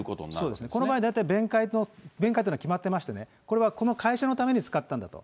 そうですね、この場合、大体、弁解というのは決まってましてね、これはこの会社のために使ったんだと。